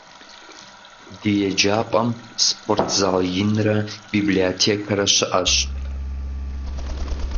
Ди еджапӀэм спортзал инрэ библиотекэрэ щыӀэщ.